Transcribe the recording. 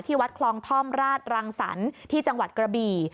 วัดคลองท่อมราชรังสรรค์ที่จังหวัดกระบี่